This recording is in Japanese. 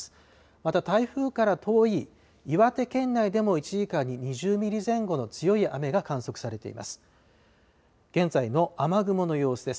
また台風から遠い岩手県内でも１時間に２０ミリ前後の強い雨が観測されています。